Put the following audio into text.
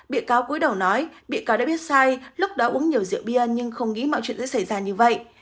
bị cáo cuối đầu nói bị cáo đã biết say lúc đó uống nhiều rượu bia nhưng không nghĩ mọi chuyện sẽ xảy ra như vậy